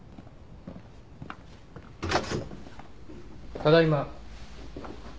ただいま。